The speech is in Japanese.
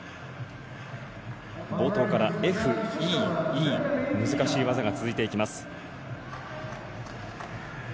冒頭からＦ、Ｅ、Ｅ難しい技が続いていきます。